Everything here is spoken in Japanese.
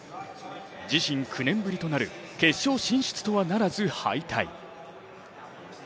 自身９年ぶりとなる決勝進出とはならず敗退。